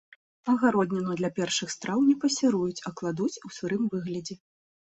Агародніну для першых страў не пасіруюць, а кладуць у сырым выглядзе.